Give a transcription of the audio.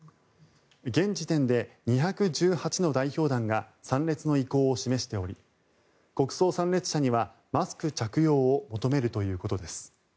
現時点で２１８の代表団が参列の意向を示しており国葬参列者にはマスク着用を求めるということです。